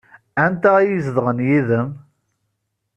Anti ay izedɣen yid-m?